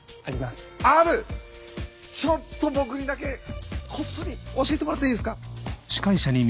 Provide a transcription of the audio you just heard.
ある⁉ちょっと僕にだけこっそり教えてもらっていいですか？